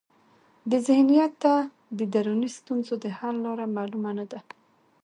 دې ذهنیت ته د دروني ستونزو د حل لاره معلومه نه ده.